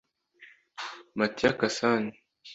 Mattia Cassani